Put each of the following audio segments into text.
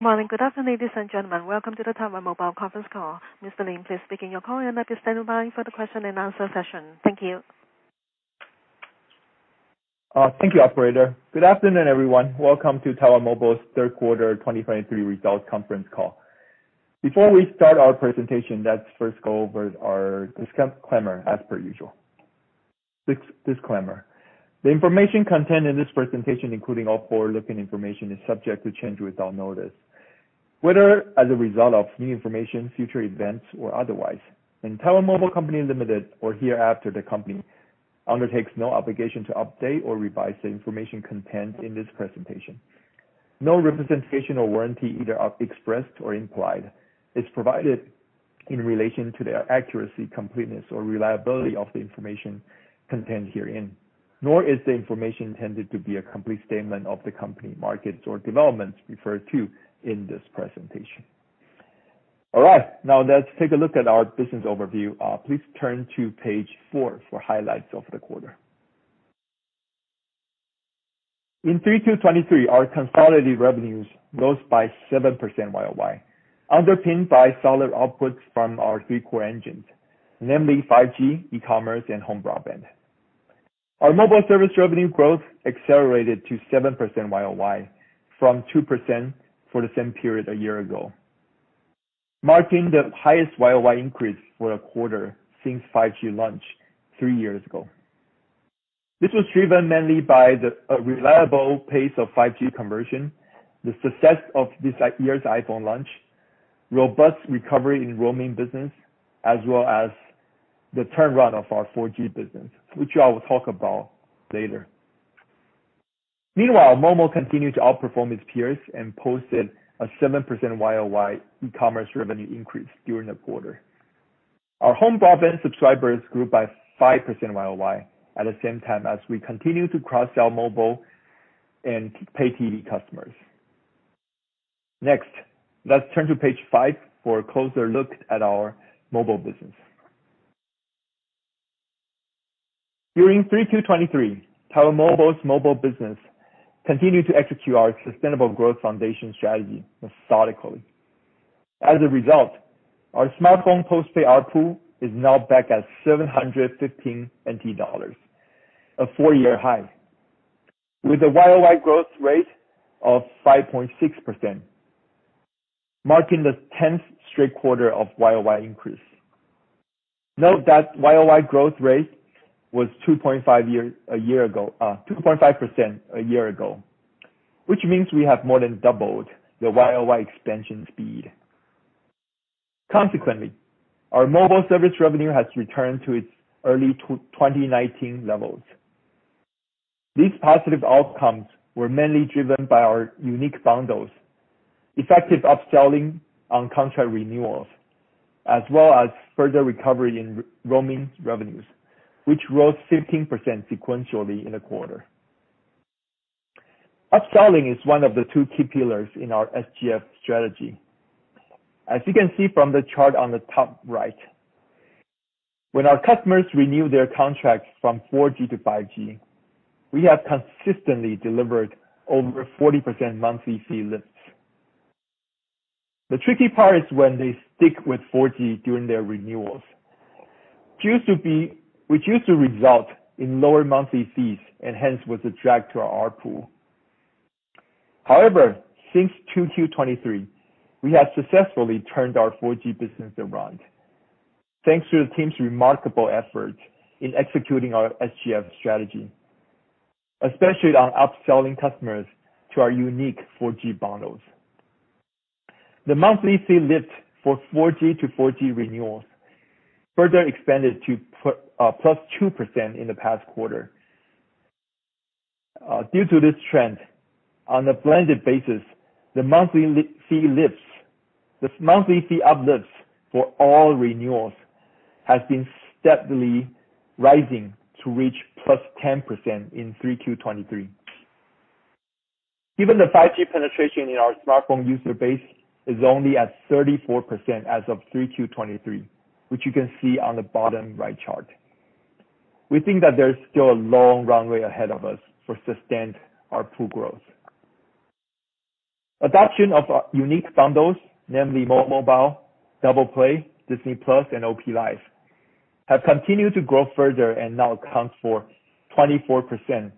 Morning. Good afternoon, ladies and gentlemen. Welcome to the Taiwan Mobile conference call. Mr. Lin, please begin your call and then stand by for the question-and-answer session. Thank you. Thank you, operator. Good afternoon, everyone. Welcome to Taiwan Mobile's third quarter 2023 results conference call. Before we start our presentation, let's first go over our disclaimer as per usual. Disclaimer. The information contained in this presentation, including all forward-looking information, is subject to change without notice, whether as a result of new information, future events, or otherwise, and Taiwan Mobile Co., Ltd., or hereafter the Company, undertakes no obligation to update or revise the information contained in this presentation. No representation or warranty, either of expressed or implied, is provided in relation to the accuracy, completeness, or reliability of the information contained herein, nor is the information intended to be a complete statement of the company, markets, or developments referred to in this presentation. All right, now let's take a look at our business overview. Please turn to page four for highlights of the quarter. In 2023, our consolidated revenues rose by 7% YoY, underpinned by solid outputs from our three core engines, namely 5G, e-commerce, and home broadband. Our mobile service revenue growth accelerated to 7% YoY from 2% for the same period a year ago, marking the highest YoY increase for a quarter since 5G launch three years ago. This was driven mainly by the reliable pace of 5G conversion, the success of this year's iPhone launch, robust recovery in roaming business, as well as the turnaround of our 4G business, which I will talk about later. Meanwhile, momo continued to outperform its peers and posted a 7% YoY e-commerce revenue increase during the quarter. Our home broadband subscribers grew by 5% YoY at the same time as we continue to cross-sell mobile and pay TV customers. Next, let's turn to page five for a closer look at our mobile business. During 3Q 2023, Taiwan Mobile's mobile business continued to execute our sustainable growth foundation strategy methodically. As a result, our smartphone postpaid ARPU is now back at 715 dollars, a four-year high, with a YoY growth rate of 5.6%, marking the 10th straight quarter of YoY increase. Note that YoY growth rate was 2.5 year, a year ago, 2.5% a year ago, which means we have more than doubled the YoY expansion speed. Consequently, our mobile service revenue has returned to its early 2019 levels. These positive outcomes were mainly driven by our unique bundles, effective upselling on contract renewals, as well as further recovery in roaming revenues, which rose 15% sequentially in the quarter. Upselling is one of the two key pillars in our SGF strategy. As you can see from the chart on the top right, when our customers renew their contracts from 4G to 5G, we have consistently delivered over 40% monthly fee lifts. The tricky part is when they stick with 4G during their renewals, choose to be—which used to result in lower monthly fees, and hence was attracted to our ARPU. However, since 2023, we have successfully turned our 4G business around, thanks to the team's remarkable effort in executing our SGF strategy, especially on upselling customers to our unique 4G bundles. The monthly fee lift for 4G to 4G renewals further expanded to +2% in the past quarter. Due to this trend, on a blended basis, the monthly fee lifts, the monthly fee uplifts for all renewals, has been steadily rising to reach +10% in 3Q 2023. Given the 5G penetration in our smartphone user base is only at 34% as of 3Q 2023, which you can see on the bottom right chart. We think that there is still a long runway ahead of us for sustained ARPU growth. Adoption of our unique bundles, namely, Mobile Double Play, Disney+, and OP Life, have continued to grow further and now accounts for 24%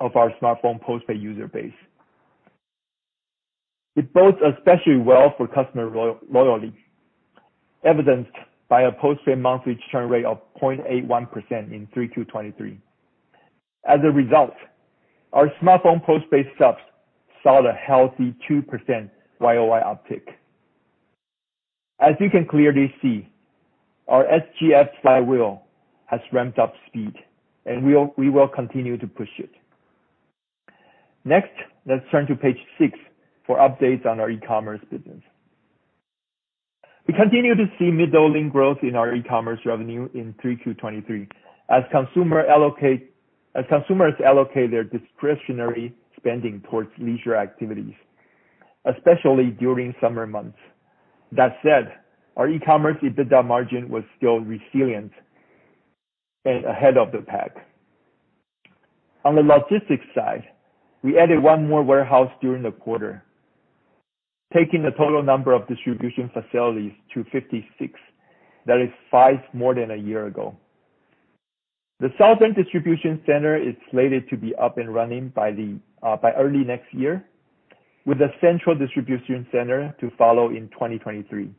of our smartphone postpaid user base. It bodes especially well for customer loyalty, evidenced by a postpaid monthly churn rate of 0.81% in 3Q 2023. As a result, our smartphone postpaid subs saw the healthy 2% YoY uptick. As you can clearly see, our SGF flywheel has ramped up speed, and we will, we will continue to push it. Next, let's turn to page six for updates on our e-commerce business. We continue to see mid-doubling growth in our e-commerce revenue in Q3 2023, as consumers allocate their discretionary spending towards leisure activities, especially during summer months. That said, our e-commerce EBITDA margin was still resilient and ahead of the pack. On the logistics side, we added one more warehouse during the quarter, taking the total number of distribution facilities to 56. That is five more than a year ago. The southern distribution center is slated to be up and running by the, by early next year, with the central distribution center to follow in 2023.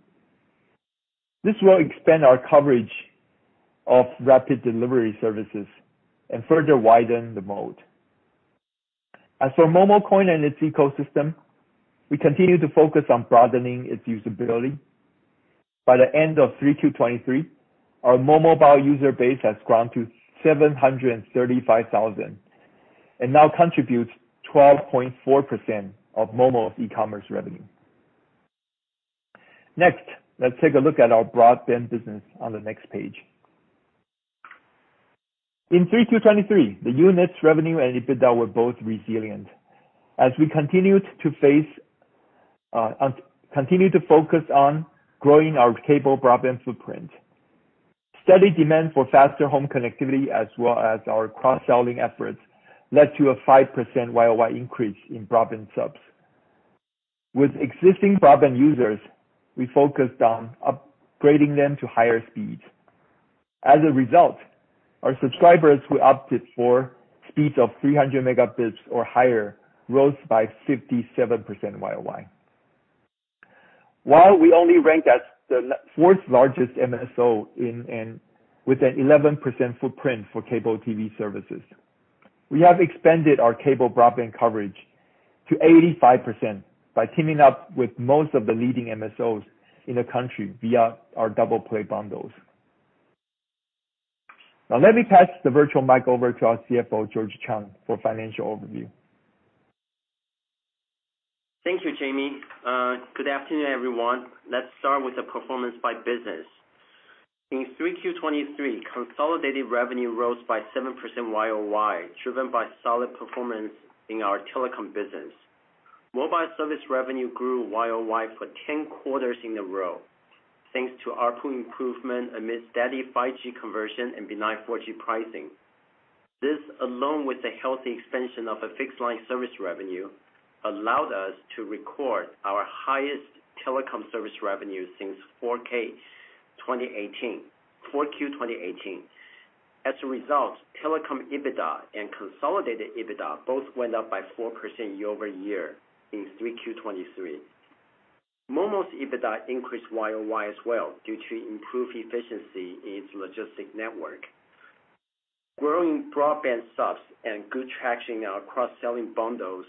This will expand our coverage of rapid delivery services and further widen the moat. As for momo Coin and its ecosystem, we continue to focus on broadening its usability. By the end of 2023, our mobile user base has grown to 735,000, and now contributes 12.4% of momo's e-commerce revenue. Next, let's take a look at our broadband business on the next page. In 2023, the unit's revenue and EBITDA were both resilient. As we continue to focus on growing our cable broadband footprint, steady demand for faster home connectivity, as well as our cross-selling efforts, led to a 5% YoY increase in broadband subs. With existing broadband users, we focused on upgrading them to higher speeds. As a result, our subscribers who opted for speeds of 300 Mbps or higher rose by 57% YoY. While we only rank as the fourth largest MSO in, and with an 11% footprint for cable TV services, we have expanded our cable broadband coverage to 85% by teaming up with most of the leading MSOs in the country via our Double Play bundles. Now let me pass the virtual mic over to our CFO, George Chang, for financial overview. Thank you, Jamie. Good afternoon, everyone. Let's start with the performance by business. In 3Q 2023, consolidated revenue rose by 7% YoY, driven by solid performance in our telecom business. Mobile service revenue grew YoY for 10 quarters in a row, thanks to ARPU improvement amid steady 5G conversion and benign 4G pricing. This, along with the healthy expansion of a fixed line service revenue, allowed us to record our highest telecom service revenue since 4Q 2018, 4Q 2018. As a result, telecom EBITDA and consolidated EBITDA both went up by 4% year-over-year in 3Q 2023. momo's EBITDA increased YoY as well, due to improved efficiency in its logistic network. Growing broadband subs and good traction in our cross-selling bundles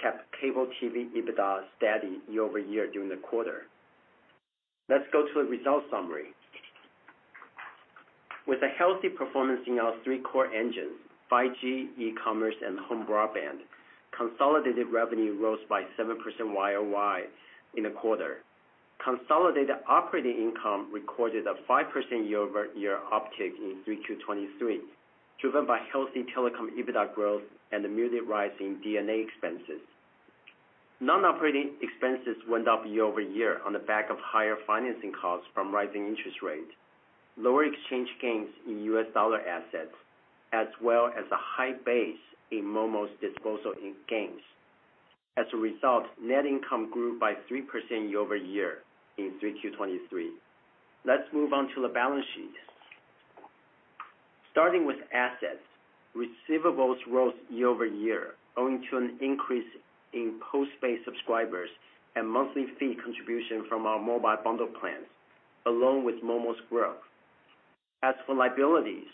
kept cable TV EBITDA steady year-over-year during the quarter. Let's go to the results summary. With a healthy performance in our three core engines, 5G, e-commerce, and home broadband, consolidated revenue rose by 7% YoY in the quarter. Consolidated operating income recorded a 5% year-over-year uptick in 3Q 2023, driven by healthy telecom EBITDA growth and a muted rise in D&A expenses. Non-operating expenses went up year-over-year on the back of higher financing costs from rising interest rates, lower exchange gains in U.S. dollar assets, as well as a high base in momo's disposal in gains. As a result, net income grew by 3% year-over-year in 3Q 2023. Let's move on to the balance sheet. Starting with assets, receivables rose year-over-year, owing to an increase in post-paid subscribers and monthly fee contribution from our mobile bundle plans, along with momo's growth. As for liabilities,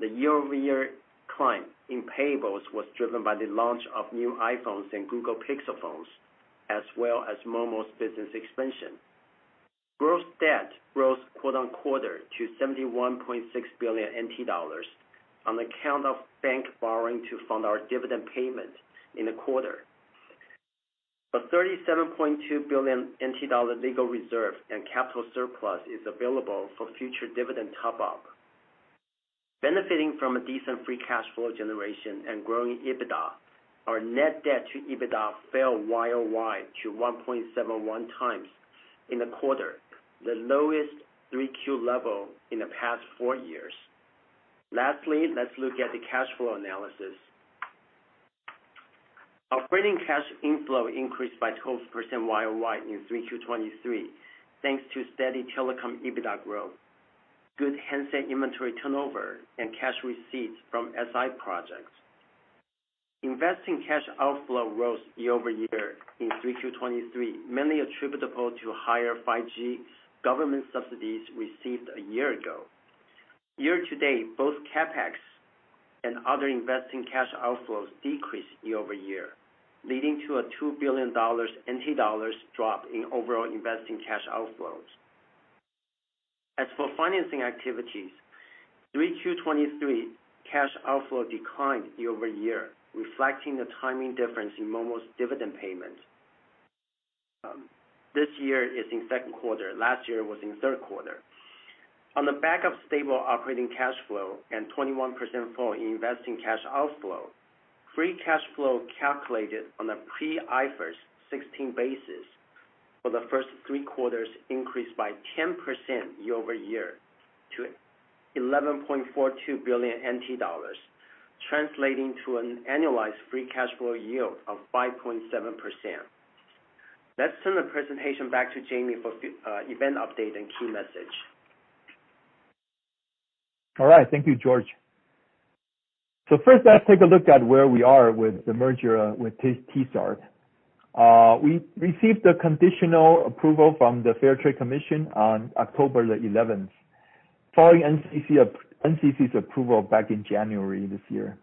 the year-over-year climb in payables was driven by the launch of new iPhones and Google Pixel phones, as well as momo's business expansion. Gross debt rose quarter-over-quarter to 71.6 billion NT dollars on account of bank borrowing to fund our dividend payment in the quarter. A 37.2 billion NT dollar legal reserve and capital surplus is available for future dividend top-up. Benefiting from a decent free cash flow generation and growing EBITDA, our net debt to EBITDA fell YoY to 1.71x in the quarter, the lowest 3Q level in the past four years. Lastly, let's look at the cash flow analysis. Operating cash inflow increased by 12% YoY in 3Q 2023, thanks to steady telecom EBITDA growth, good handset inventory turnover, and cash receipts from SI projects. Investing cash outflow rose year-over-year in 3Q 2023, mainly attributable to higher 5G government subsidies received a year ago. Year to date, both CapEx and other investing cash outflows decreased year-over-year, leading to a 2 billion NT dollars drop in overall investing cash outflows. As for financing activities, 3Q 2023 cash outflow declined year-over-year, reflecting the timing difference in momo's dividend payments. This year is in second quarter, last year was in third quarter. On the back of stable operating cash flow and 21% fall in investing cash outflow, free cash flow calculated on a pre-IFRS 16 basis for the first three quarters increased by 10% year-over-year, to 11.42 billion NT dollars, translating to an annualized free cash flow yield of 5.7%. Let's turn the presentation back to Jamie for the event update and key message. All right, thank you, George. So first, let's take a look at where we are with the merger with T Star. We received the conditional approval from the Fair Trade Commission on October 11th, following NCC's approval back in January this year.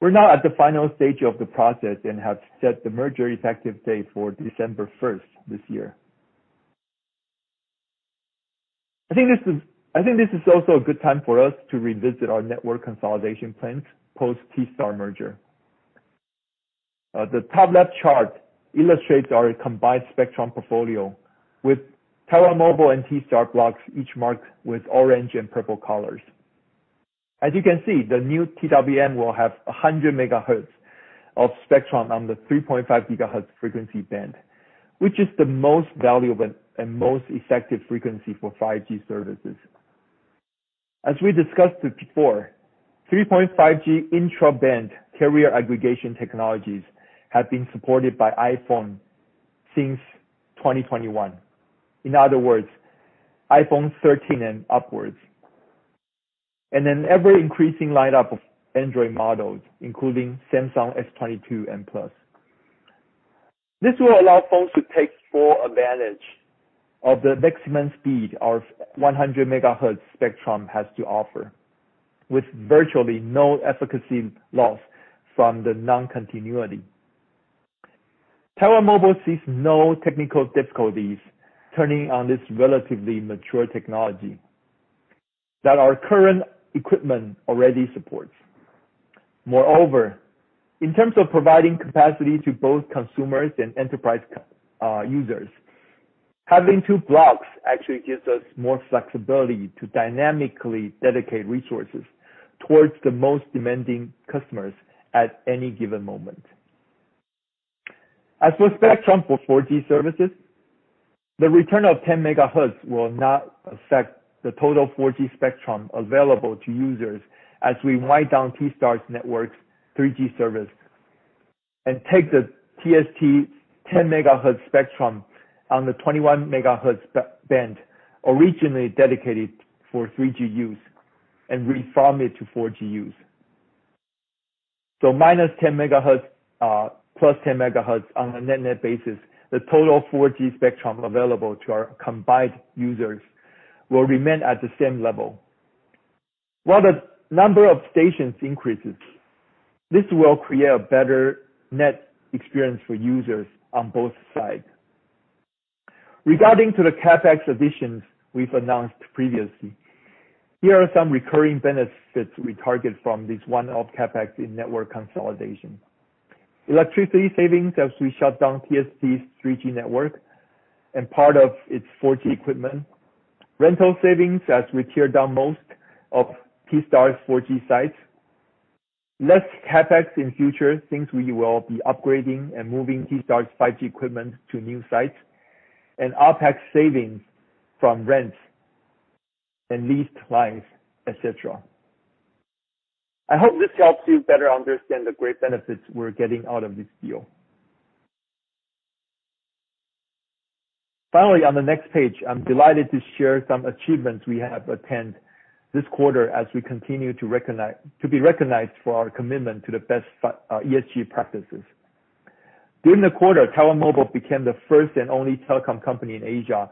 We're now at the final stage of the process and have set the merger effective date for December 1st this year. I think this is also a good time for us to revisit our network consolidation plans, post T Star merger. The top left chart illustrates our combined spectrum portfolio, with Taiwan Mobile and T Star blocks, each marked with orange and purple colors. As you can see, the new TWM will have 100 MHz of spectrum on the 3.5 GHz frequency band, which is the most valuable and most effective frequency for 5G services. As we discussed it before, 3.5G intraband carrier aggregation technologies have been supported by iPhone since 2021. In other words, iPhone 13 and upwards, and an ever-increasing lineup of Android models, including Samsung S22 and plus. This will allow phones to take full advantage of the maximum speed our 100 MHz spectrum has to offer, with virtually no efficacy loss from the non-contiguity. Taiwan Mobile sees no technical difficulties turning on this relatively mature technology that our current equipment already supports. Moreover, in terms of providing capacity to both consumers and enterprise users, having two blocks actually gives us more flexibility to dynamically dedicate resources towards the most demanding customers at any given moment. As for spectrum for 4G services, the return of 10 MHz will not affect the total 4G spectrum available to users, as we wind down T Star's network 3G service and take the TST 10 MHz spectrum on the 21 MHz spectrum band, originally dedicated for 3G use and refarm it to 4G use. So -10 MHz, +10 MHz on a net-net basis, the total 4G spectrum available to our combined users will remain at the same level. While the number of stations increases, this will create a better net experience for users on both sides. Regarding the CapEx additions we've announced previously, here are some recurring benefits we target from this one-off CapEx in network consolidation. Electricity savings as we shut down TST's 3G network and part of its 4G equipment, rental savings as we tear down most of T Star's 4G sites, less CapEx in future, since we will be upgrading and moving T Star's 5G equipment to new sites, and OpEx savings from rent and leased lines, et cetera. I hope this helps you better understand the great benefits we're getting out of this deal. Finally, on the next page, I'm delighted to share some achievements we have attained this quarter as we continue to recognize-- to be recognized for our commitment to the best fa- ESG practices. During the quarter, Taiwan Mobile became the first and only telecom company in Asia,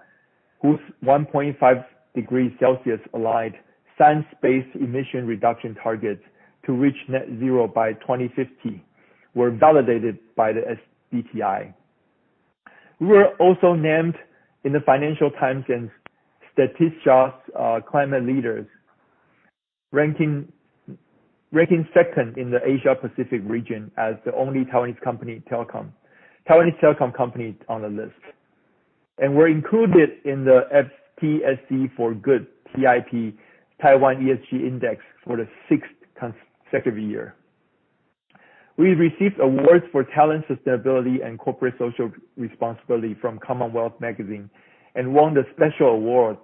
whose 1.5-degree Celsius-aligned science-based emission reduction targets to reach net zero by 2050, were validated by the SBTi. We were also named in the Financial Times and Statista's climate leaders ranking, ranking second in the Asia Pacific region as the only Taiwanese company telecom, Taiwanese telecom company on the list. And we're included in the FTSE4Good TIP Taiwan ESG Index for the sixth consecutive year. We received awards for talent, sustainability, and corporate social responsibility from CommonWealth Magazine, and won the Special Award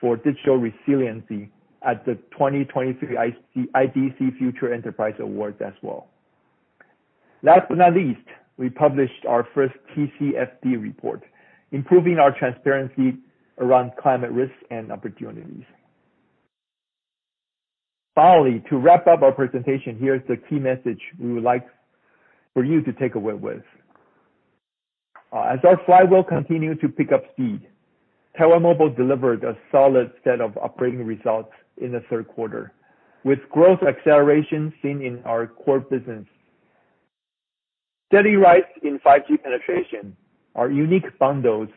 for Digital Resiliency at the 2023 IDC Future Enterprise Awards as well. Last but not least, we published our first TCFD report, improving our transparency around climate risks and opportunities. Finally, to wrap up our presentation, here is the key message we would like for you to take away with. As our flywheel continues to pick up speed, Taiwan Mobile delivered a solid set of operating results in the third quarter, with growth acceleration seen in our core business. Steady rise in 5G penetration, our unique bundles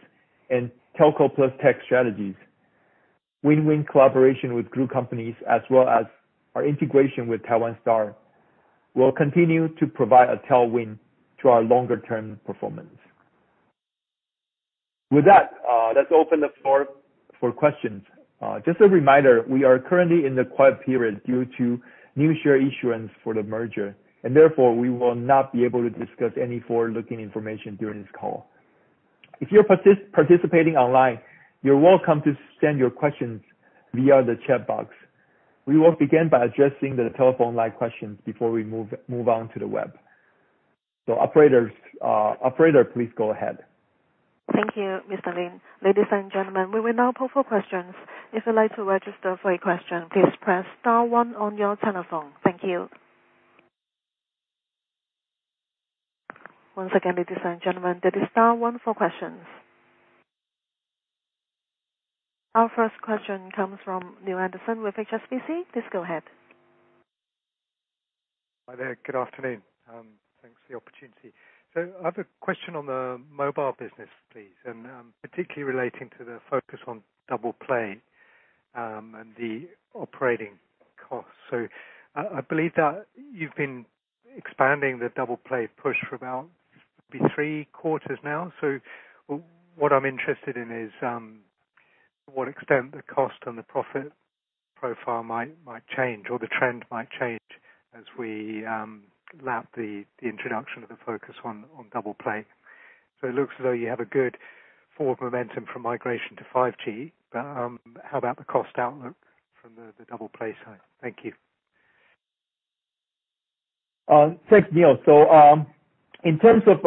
and Telco+Tech strategies, win-win collaboration with group companies, as well as our integration with Taiwan Star, will continue to provide a tailwind to our longer-term performance. With that, let's open the floor for questions. Just a reminder, we are currently in the quiet period due to new share issuance for the merger, and therefore we will not be able to discuss any forward-looking information during this call. If you're participating online, you're welcome to send your questions via the chat box. We will begin by addressing the telephone line questions before we move on to the web. So operators, operator, please go ahead. Thank you, Mr. Lin. Ladies and gentlemen, we will now poll for questions. If you'd like to register for a question, please press star one on your telephone. Thank you. Once again, ladies and gentlemen, that is star one for questions. Our first question comes from Neale Anderson with HSBC. Please go ahead. Hi there. Good afternoon, thanks for the opportunity. So I have a question on the mobile business, please, and, particularly relating to the focus on Double Play, and the operating costs. So I, I believe that you've been expanding the Double Play push for about maybe three quarters now. So what I'm interested in is, to what extent the cost and the profit profile might, might change, or the trend might change as we, lap the, the introduction of the focus on, on Double Play. So it looks as though you have a good forward momentum from migration to 5G, but, how about the cost outlook from the, the Double Play side? Thank you. Thanks, Neale. So, in terms of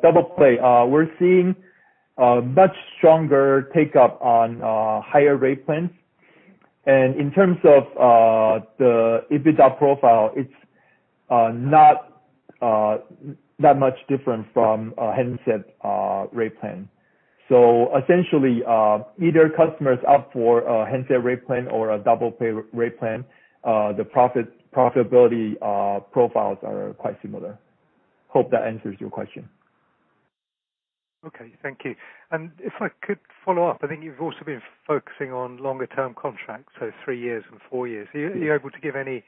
Double Play, we're seeing a much stronger take up on higher rate plans. And in terms of the EBITDA profile, it's not that much different from a handset rate plan. So essentially, either customers opt for a handset rate plan or a Double Play rate plan, the profitability profiles are quite similar. Hope that answers your question. Okay. Thank you. If I could follow up, I think you've also been focusing on longer term contracts, so three years and four years. Are you able to give any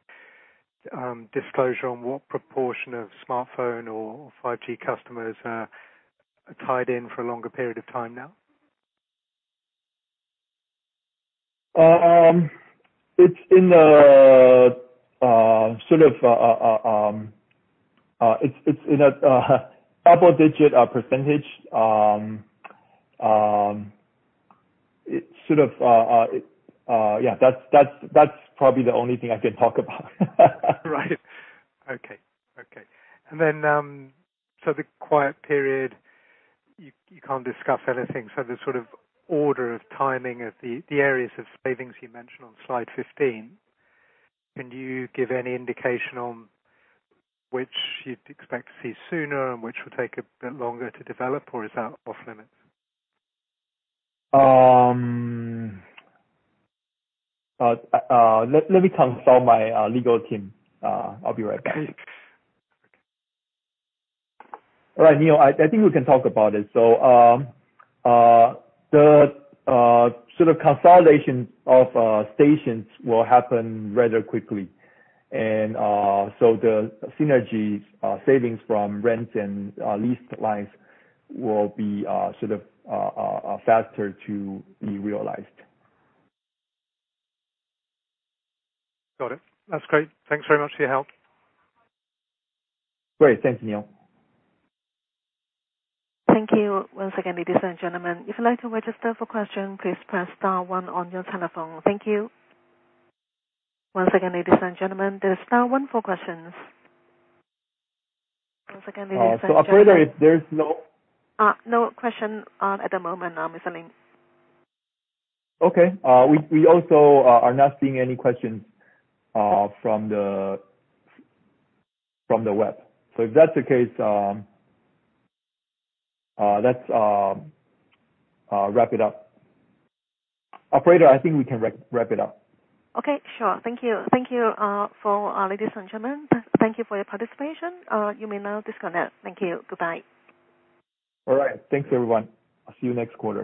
disclosure on what proportion of smartphone or 5G customers are tied in for a longer period of time now? It's in a double-digit percentage. It sort of. Yeah, that's probably the only thing I can talk about. Right. Okay, okay. And then, so the quiet period, you can't discuss anything. So the sort of order of timing of the areas of savings you mentioned on slide 15, can you give any indication on which you'd expect to see sooner and which will take a bit longer to develop, or is that off limits? Let me consult my legal team. I'll be right back. Great. All right, Neale, I, I think we can talk about it. So, the sort of consolidation of stations will happen rather quickly. And, so the synergy savings from rents and leased lines will be sort of faster to be realized. Got it. That's great. Thanks very much for your help. Great. Thanks, Neale. Thank you. Once again, ladies and gentlemen, if you'd like to register for a question, please press star one on your telephone. Thank you. Once again, ladies and gentlemen, there's star one for questions. Once again, ladies and gentlemen. So operator, there's no- No question, at the moment, Mr. Lin. Okay. We also are not seeing any questions from the web. So if that's the case, let's wrap it up. Operator, I think we can wrap it up. Okay, sure. Thank you. Thank you for. Ladies and gentlemen, thank you for your participation, you may now disconnect. Thank you. Goodbye. All right. Thanks, everyone. I'll see you next quarter.